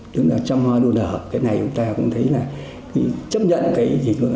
tức là trong hoa đô đỏ cái này chúng ta cũng thấy là chấp nhận cái gì đó